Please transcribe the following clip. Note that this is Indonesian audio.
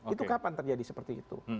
itu kapan terjadi seperti itu